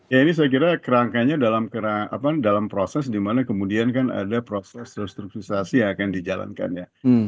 ya ini saya kira kerangkanya dalam proses di mana kemudian kan ada proses restrukturisasi yang akan dijalankan ya